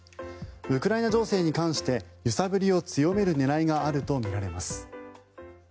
ウクライナ情勢に関して揺さぶりを強める狙いがあるとみられます。